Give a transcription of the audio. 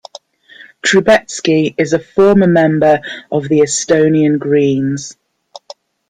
Trubetsky is a former member of the Estonian Greens.